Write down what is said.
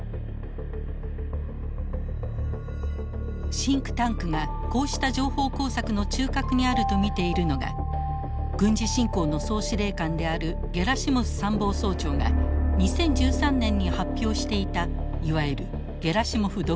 シンクタンクがこうした情報工作の中核にあると見ているのが軍事侵攻の総司令官であるゲラシモフ参謀総長が２０１３年に発表していたいわゆるゲラシモフ・ドクトリン。